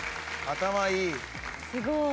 頭いい。